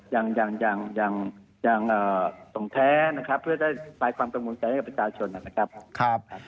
อย่างอย่างส่งแท้นะครับเพื่อได้ปลายความกังวลใจให้กับประชาชนนะครับ